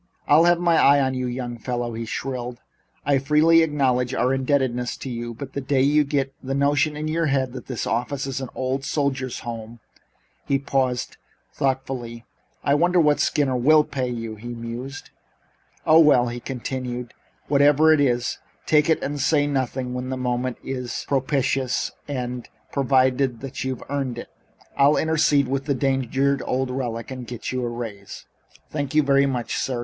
"I'll have my eye on you, young feller," he shrilled. "I freely acknowledge our indebtedness to you, but the day you get the notion in your head that this office is an old soldiers' home " He paused thoughtfully. "I wonder what Skinner will pay you?" he mused. "Oh, well," he continued, whatever it is, take it and say nothing and when the moment is propitious and provided you've earned it I'll intercede with the danged old relic and get you a raise." "Thank you very much, sir.